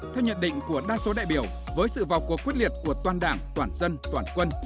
theo nhận định của đa số đại biểu với sự vào cuộc quyết liệt của toàn đảng toàn dân toàn quân